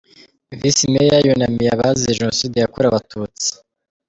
Vice Mayor yunamiye abazize Jenoside yakorewe Abatutsi.